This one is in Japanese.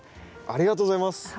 ありがとうございます。